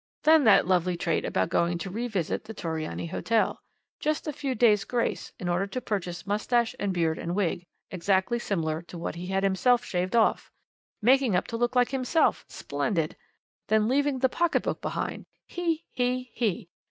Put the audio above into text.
"Then that lovely trait about going to revisit the Torriani Hotel. Just a few days' grace, in order to purchase moustache and beard and wig, exactly similar to what he had himself shaved off. Making up to look like himself! Splendid! Then leaving the pocket book behind! He! he!